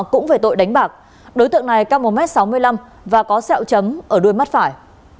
cũng về tội đánh bạc đối tượng này cao một m sáu mươi năm và có sẹo chấm ở đuôi mắt phải